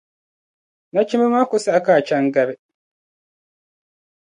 Nachimba maa ku saɣi ka a chaŋ gari.